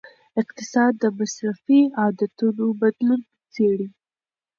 اقتصاد د مصرفي عادتونو بدلون څیړي.